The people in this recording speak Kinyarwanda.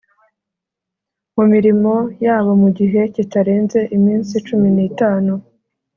mu mirimo yabo mu gihe kitarenze iminsi cumi n itanu